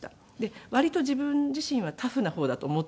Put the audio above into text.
割と自分自身はタフな方だと思っていて。